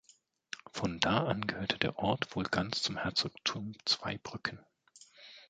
Von da an gehörte der Ort wohl ganz zum Herzogtum Zweibrücken.